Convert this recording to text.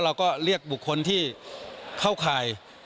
เราก็เรียกบุคคลที่เข้าข่าย